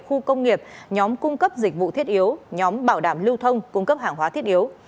khu công nghiệp nhóm cung cấp dịch vụ thiết yếu nhóm bảo đảm lưu thông cung cấp hàng hóa thiết yếu